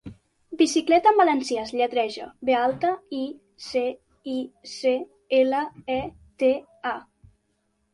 'Bicicleta' en valencià es lletreja: be alta, i, ce, i, ce, ele, e, te, a.